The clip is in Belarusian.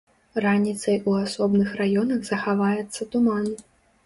Раніцай у асобных раёнах захаваецца туман.